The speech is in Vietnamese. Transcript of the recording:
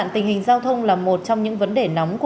tiền vô như nước